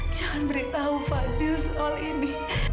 jangan beritahu fadir soal ini